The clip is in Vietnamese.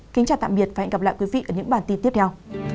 kính chào tạm biệt và hẹn gặp lại quý vị ở những bản tin tiếp theo